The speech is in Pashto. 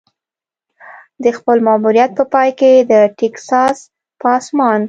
د خپل ماموریت په پای کې د ټیکساس په اسمان.